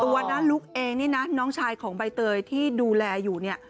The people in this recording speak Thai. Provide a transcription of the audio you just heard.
น้าลุกเองนี่นะน้องชายของใบเตยที่ดูแลอยู่เนี่ย